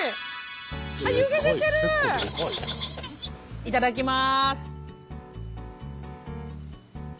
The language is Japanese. いただきます。